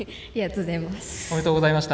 ありがとうございます。